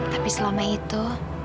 tapi selama itu